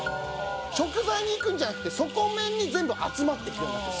食材に行くんじゃなくて底面に全部集まっていくようになってる。